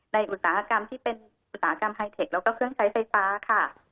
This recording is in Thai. อุตสาหกรรมที่เป็นอุตสาหกรรมไฮเทคแล้วก็เครื่องใช้ไฟฟ้าค่ะ